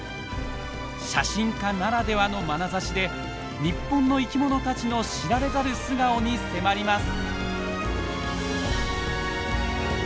写真家ならではのまなざしで日本の生きものたちの知られざる素顔に迫ります。